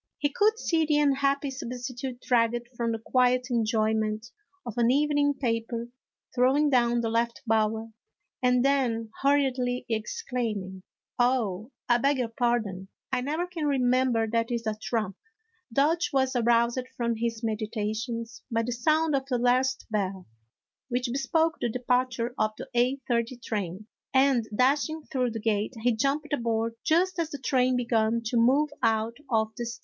He could see the unhappy substitute dragged from the quiet enjoyment of an evening paper, throwing down the left bower, and then hurriedly exclaiming :" Oh, I beg your pardon, I never can remember that is a trump." Dodge was aroused from his meditations by the sound of the last bell, which bespoke the departure of the eight thirty train, and, dashing through the gate, he jumped aboard just as the train began to move out of the station.